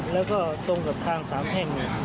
แล้วก็ตรงกับทางสามแพ่ง